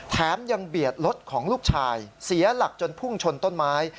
แถมยังเบียดรถของลูกชายเสียหลักจนพุ่งชนต้นไม้